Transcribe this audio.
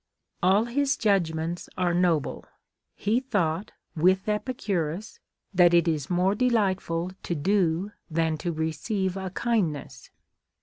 *• All his judgments are noble. He thought, with Epicurus, that it is more delightful to do than to receive a kindness.